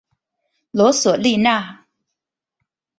罗索利纳。